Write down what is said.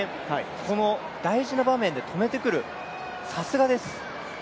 この大事な場面で止めてくる、さすがです。